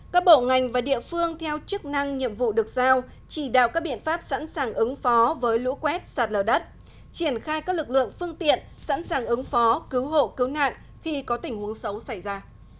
các bộ ngành và địa phương theo chức năng nhiệm vụ được giao chỉ đạo các biện pháp sẵn sàng ứng phó với lũ quét sạt lở đất triển khai các lực lượng phương tiện sẵn sàng ứng phó cứu hộ cứu nạn khi có tình huống xấu xảy ra